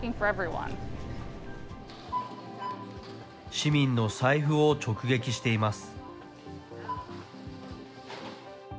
市民の財布を直撃しています。